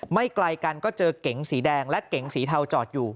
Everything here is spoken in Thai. ไกลกันก็เจอเก๋งสีแดงและเก๋งสีเทาจอดอยู่